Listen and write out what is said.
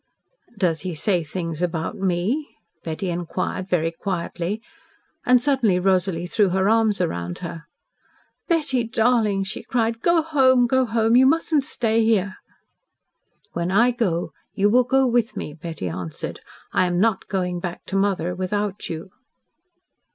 "Does he say things about me?" Betty inquired, very quietly, and suddenly Rosalie threw her arms round her. "Betty, darling," she cried, "go home go home. You must not stay here." "When I go, you will go with me," Betty answered. "I am not going back to mother without you."